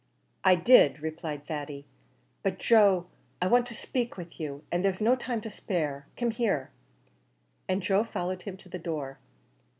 "I did," replied Thady: "but Joe I want to spake to you, and there's no time to spare; come here," and Joe followed him to the door.